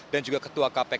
dan juga ketua kpk